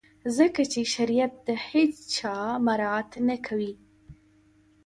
ځکه چي شریعت د هیڅ چا مراعات نه کوي.